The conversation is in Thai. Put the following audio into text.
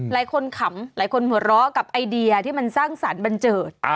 ขำหลายคนหัวเราะกับไอเดียที่มันสร้างสรรค์บันเจิด